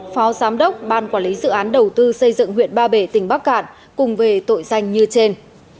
phó giám đốc ban quản lý dự án đầu tư xây dựng huyện ba bể tỉnh bắc cạn cùng về tội danh như trên